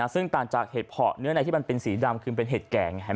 ซึ่งต่างจากเห็ดเพาะเนื้อในที่มันเป็นสีดำคือเป็นเห็ดแก่ง